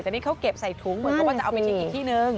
แต่นี่เขาเก็บใส่ถุงเหมือนกับว่าจะเอาไปทิ้งอีกที่นึง